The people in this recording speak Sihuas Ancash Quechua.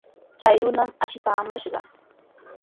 Chay runami ashipaamashqa.